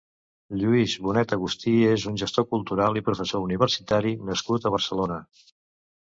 Lluís Bonet Agustí és un gestor cultural i professor universitari nascut a Barcelona.